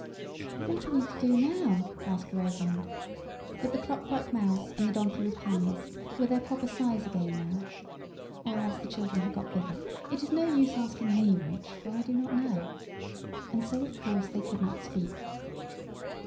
"What are we to do now?" asked Rosamund; but the clockwork mouse and the donkey with panniers were their proper size again now (or else the children had got bigger. It is no use asking me which, for I do not know), and so of course they could not speak.